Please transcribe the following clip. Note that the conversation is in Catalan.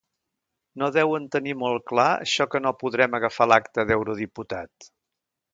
No deuen tenir molt clar això que no podrem agafar l'acta d'eurodiputat.